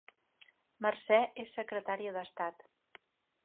Mercè és secretària d'Estat